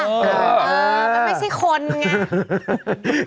มันไม่ใช่คนไง